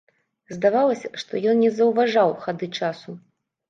Здавалася, што ён не заўважаў хады часу.